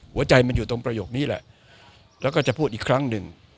หัวใจมันอยู่ตรงประโยคนี้แหละแล้วก็จะพูดอีกครั้งหนึ่ง